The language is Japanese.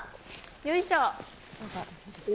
よいしょ！